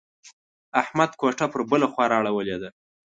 احمد کوټه پر بله خوا را اړولې ده.